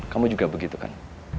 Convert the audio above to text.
kamu juga begitu kan